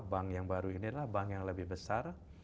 bank yang baru ini adalah bank yang lebih besar